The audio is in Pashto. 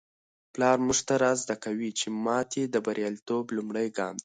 پلار موږ ته را زده کوي چي ماتې د بریالیتوب لومړی ګام دی.